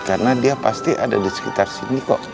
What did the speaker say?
karena dia pasti ada disekitar sini kok